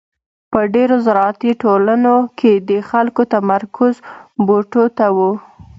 په ډېرو زراعتي ټولنو کې د خلکو تمرکز بوټو ته و.